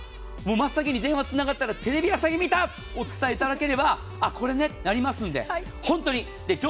真っ先に電話つながったらテレビ朝日を見たを伝えていただければこれね！となりますので。